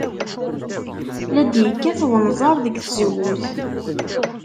La d-yekkat wenẓar deg tzewwut.